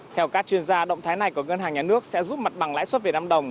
theo các chuyên gia động thái này của ngân hàng nhà nước sẽ giúp mặt bằng lãi suất việt nam đồng